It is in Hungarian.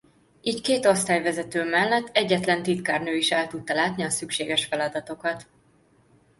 Így két osztályvezető mellett egyetlen titkárnő is el tudta látni a szükséges feladatokat.